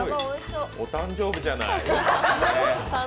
お誕生じゃない。